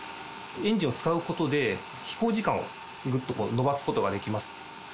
エンジンを使うことで、飛行時間をぐっと伸ばすことができます。